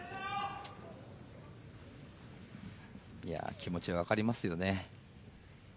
気持ち、分かりますよね。